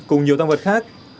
cùng nhiều tăng vật khác